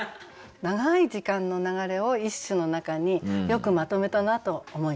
長い時間の流れを一首の中によくまとめたなと思いました。